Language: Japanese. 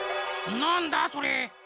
なんだそれ？